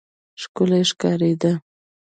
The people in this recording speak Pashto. ښکلی ښکارېده.